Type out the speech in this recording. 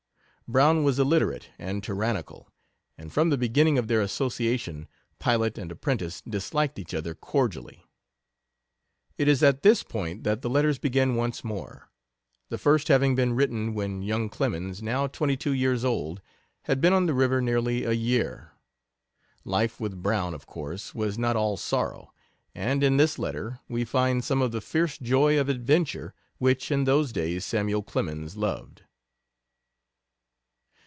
Brown was illiterate and tyrannical, and from the beginning of their association pilot and apprentice disliked each other cordially. It is at this point that the letters begin once more the first having been written when young Clemens, now twenty two years old, had been on the river nearly a year. Life with Brown, of course, was not all sorrow, and in this letter we find some of the fierce joy of adventure which in those days Samuel Clemens loved.